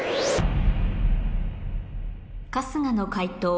春日の解答